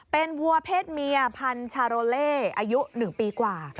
เป็นวัวเพศเมียพันชาโรเล่อายุ๑ปีกว่า